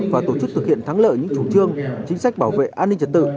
và tổ chức thực hiện thắng lợi những chủ trương chính sách bảo vệ an ninh trật tự